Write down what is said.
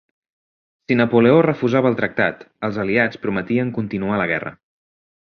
Si Napoleó refusava el tractat, els Aliats prometien continuar la guerra.